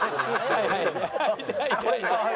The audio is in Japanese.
はいはい。